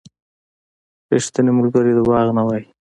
• ریښتینی ملګری دروغ نه وايي.